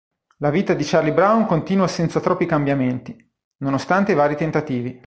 La vita di Charlie Brown continua senza troppi cambiamenti, nonostante i vari tentativi.